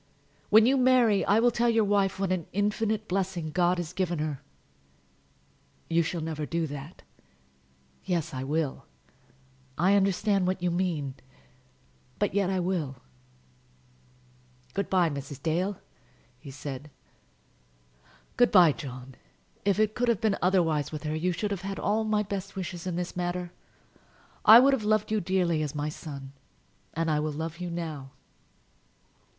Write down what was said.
When you marry I will tell your wife what an infinite blessing God has given her." "You shall never do that." "Yes, I will. I understand what you mean; but yet I will." "Good by, Mrs. Dale," he said. "Good by, John. If it could have been otherwise with her, you should have had all my best wishes in the matter. I would have loved you dearly as my son; and I will love you now."